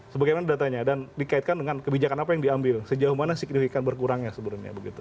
sebagaimana datanya dan dikaitkan dengan kebijakan apa yang diambil sejauh mana signifikan berkurangnya sebenarnya begitu